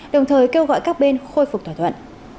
đồng thời kêu gọi các bên khôi phục thỏa thuận